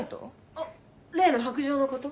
あっ例の白杖の子と？